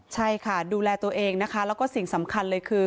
ใช่ค่ะดูแลตัวเองนะคะแล้วก็สิ่งสำคัญเลยคือ